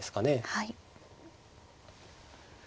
はい。